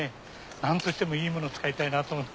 なんとしてもいいものを使いたいなと思って。